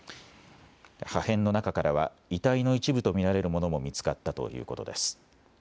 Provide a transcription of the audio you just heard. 破片の中からは遺体の一部と見られるものも見つかったということです。